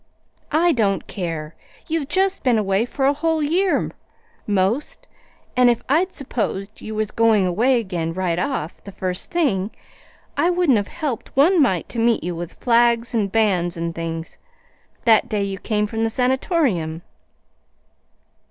"I don't care. You've just been away for a whole year, 'most, and if I'd s'posed you was going away again right off, the first thing, I wouldn't have helped one mite to meet you with flags and bands and things, that day you come from the Sanatorium."